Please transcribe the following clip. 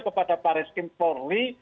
kepada pak reskim forli